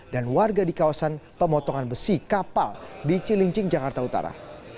dan warga di kawasan pemotongan besi kapal di cilincing jakarta utara